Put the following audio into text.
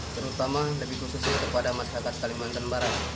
terutama lebih khususnya kepada masyarakat kalimantan barat